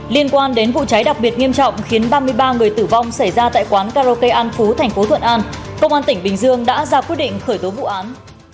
liên quan đến vụ cháy đặc biệt nghiêm trọng khiến ba mươi ba người tử vong xảy ra tại quán karaoke an phú thành phố thuận an công an tỉnh bình dương đã ra quyết định khởi tố vụ án